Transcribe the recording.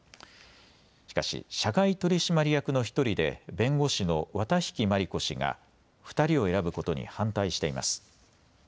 しかし社外取締役の１人で弁護士の綿引万里子氏が２人を選ぶことに反対しています。